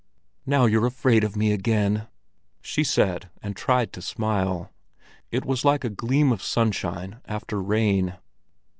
"Now you're afraid of me again!" she said, and tried to smile. It was like a gleam of sunshine after rain.